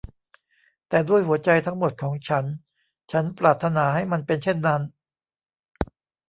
แต่ด้วยหัวใจทั้งหมดของฉัน ฉันปรารถนาให้มันเป็นเช่นนั้น